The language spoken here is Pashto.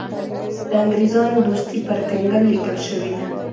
د انګرېزانو دوستي پر کنګل لیکل شوې ده.